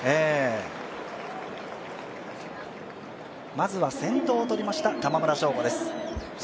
まずは先頭をとりました、玉村昇悟です。